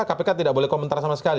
kpk tidak boleh komentar sama sekali